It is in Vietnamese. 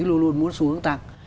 luôn luôn muốn xu hướng tặng